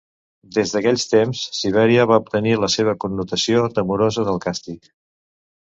Des d'aquells temps, Sibèria va obtenir la seva connotació temorosa del càstig.